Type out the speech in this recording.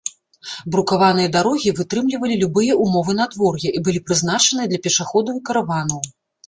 Брукаваныя дарогі вытрымлівалі любыя ўмовы надвор'я і былі прызначаныя для пешаходаў і караванаў.